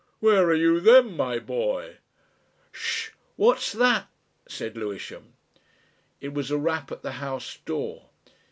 Where are you then, my boy?" "Ssh! what's that?" said Lewisham. It was a rap at the house door.